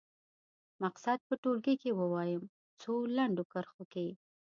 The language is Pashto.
مقصد په ټولګي کې ووايي څو لنډو کرښو کې.